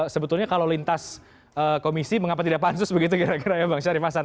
sebetulnya kalau lintas komisi mengapa tidak pansus begitu kira kira ya bang syarif hasan